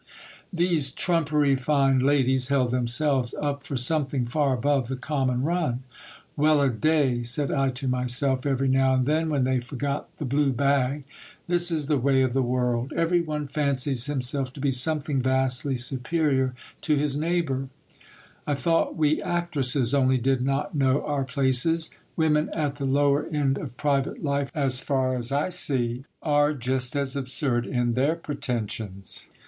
These trumpery fine ladies held themselves up for something far above the common run. Well a day ! said I to myself, every now and then, when they forgot the blue bag : this is the way of the world ! Every one fancies himself to be something vastly 194 GIL BLAS. superior to his neighbour. I thought we actresses only did not know our places ; women at the lower end of private life, as far as I see, are just as absurd in their pretensions.